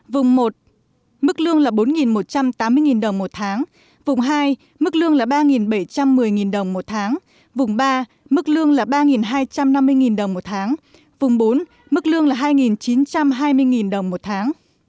vùng một mức lương là bốn một trăm tám mươi đồng một tháng vùng hai mức lương là ba bảy trăm một mươi đồng một tháng vùng ba mức lương là ba hai trăm năm mươi đồng một tháng vùng bốn mức lương là hai chín trăm hai mươi đồng một tháng